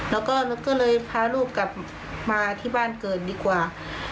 แล้วก็ก็เลยพาลูกกลับมาที่บ้านเกิดดีกว่า